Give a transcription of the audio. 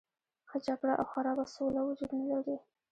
ښه جګړه او خرابه سوله وجود نه لري.